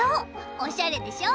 おしゃれでしょ。